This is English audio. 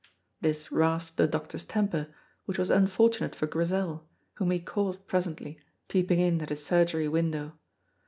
This rasped the doctor's temper, which was unfortunate for Grizel, whom he caught presently peeping in at his surgery window.